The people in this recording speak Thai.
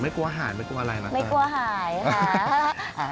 กลัวหายไม่กลัวอะไรไหมไม่กลัวหายค่ะ